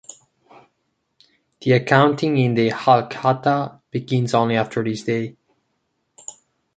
The accounting in the "Halkhata" begins only after this day.